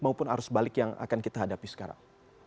maupun arus balik yang akan kita hadapi sekarang